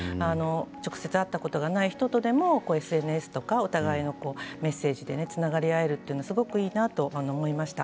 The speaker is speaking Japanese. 直接会ったことがない人でもＳＮＳとかお互いのメッセージでつながり合えるというのはすごくいいなと思いました。